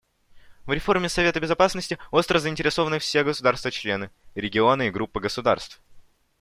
«В реформе Совета Безопасности остро заинтересованы все государства-члены, регионы и группы государств.